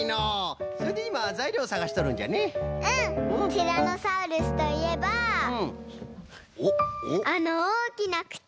ティラノサウルスといえばあのおおきなくち！